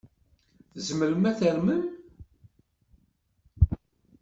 Tzemrem ad tarmem?